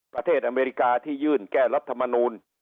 ประเทศอเมริกาที่ยื่นแก้รัฐมนุน